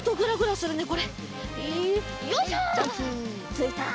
ついた！